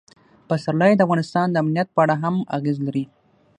پسرلی د افغانستان د امنیت په اړه هم اغېز لري.